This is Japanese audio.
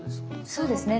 そうですね。